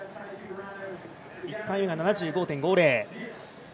１回目が７５．５０。